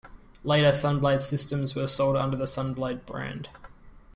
Later Sun blade systems were sold under the Sun Blade brand.